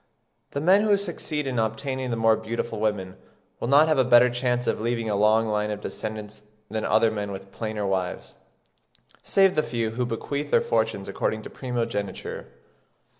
The men who succeed in obtaining the more beautiful women will not have a better chance of leaving a long line of descendants than other men with plainer wives, save the few who bequeath their fortunes according to primogeniture.